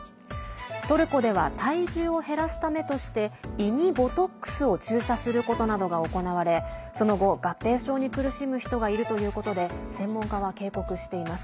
トルコでは体重を減らすためとして胃にボトックスを注射することなどが行われその後、合併症に苦しむ人がいるということで専門家は警告しています。